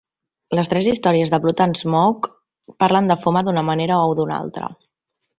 Les tres històries de "Blood and Smoke" parlen de fumar d'una manera o d'una altra.